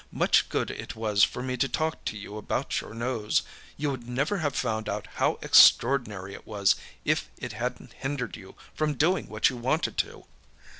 Much good it was for me to talk to you about your nose! You would never have found out how extraordinary it was if it hadnât hindered you from doing what you wanted to.